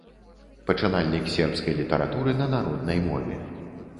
Пачынальнік сербскай літаратуры на народнай мове.